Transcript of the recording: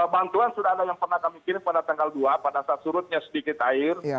bantuan sudah ada yang pernah kami kirim pada tanggal dua pada saat surutnya sedikit air